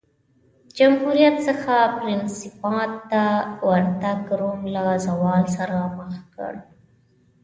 جمهوریت څخه پرنسیپات ته ورتګ روم له زوال سره مخ کړ